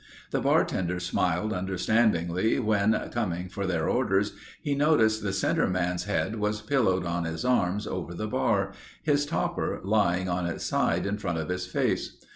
The bartender smiled understandingly when, coming for their orders, he noticed the center man's head was pillowed on his arms over the bar, his topper lying on its side in front of his face.